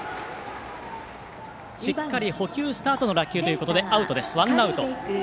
しっかり捕球したあとの落球ということでアウトです。